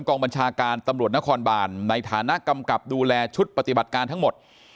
กองบัญชาการตำรวจนครบานในฐานะกำกับดูแลชุดปฏิบัติการทั้งหมด